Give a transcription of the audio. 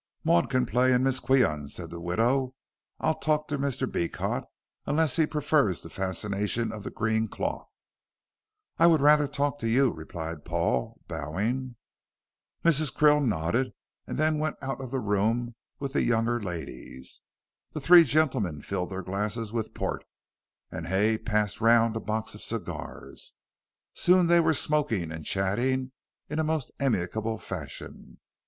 "Maud can play and Miss Qian," said the widow. "I'll talk to Mr. Beecot, unless he prefers the fascination of the green cloth." "I would rather talk to you," replied Paul, bowing. Mrs. Krill nodded, and then went out of the room with the younger ladies. The three gentlemen filled their glasses with port, and Hay passed round a box of cigars. Soon they were smoking and chatting, in a most amicable fashion.